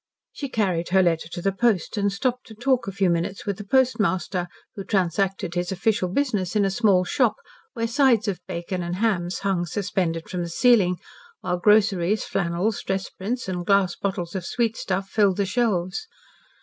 She carried her letter to the post and stopped to talk a few minutes with the postmaster, who transacted his official business in a small shop where sides of bacon and hams hung suspended from the ceiling, while groceries, flannels, dress prints, and glass bottles of sweet stuff filled the shelves.